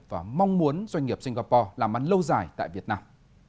và mong muốn doanh nghiệp singapore làm ăn lâu dài tại việt nam